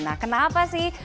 nah kenapa sih